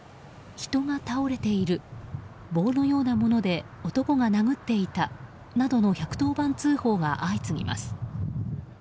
人が倒れている棒のようなもので男が殴っていたなどの１１０番通報が相次ぎます。